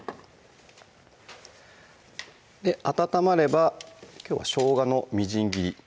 温まればきょうはしょうがのみじん切り